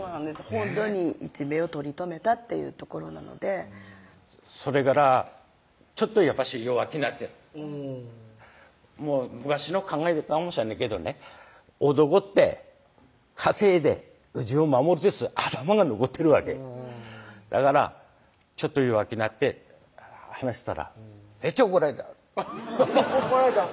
ほんとに一命を取り留めたっていうところなのでそれからやっぱし弱気なって昔の考えかもしらねぇけどね男って稼いでうちを守ると頭が残ってるわけだからちょっと弱気なって話したらめっちゃ怒られた怒られたん？